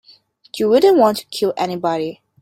You wouldn't want to kill anybody.